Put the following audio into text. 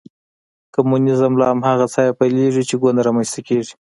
کمونیزم له هماغه ځایه پیلېږي چې ګوند رامنځته کېږي.